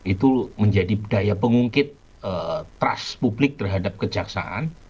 itu menjadi daya pengungkit trust publik terhadap kejaksaan